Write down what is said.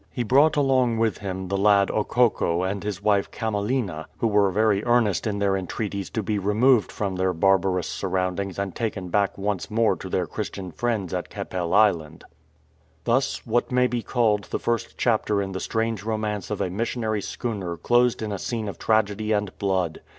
He brought along with him the lad Okokko and his wife Camilenna, who were very earnest in their entreaties to be removed from their barbarous surroundings and taken back once more to their Christian friends at Keppel Island. Thus, what may be called the first chapter in the strange romance of a missionary schooner closed in a scene of tragedy and blood.